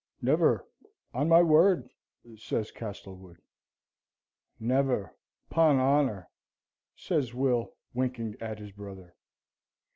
"Never, on my word," says Castlewood. "Never, 'pon honour," says Will winking at his brother.